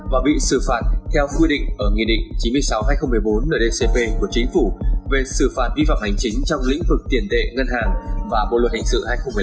và bị xử phạt theo quy định ở nghị định chín mươi sáu hai nghìn một mươi bốn ndcp của chính phủ về xử phạt vi phạm hành chính trong lĩnh vực tiền tệ ngân hàng và bộ luật hình sự hai nghìn một mươi năm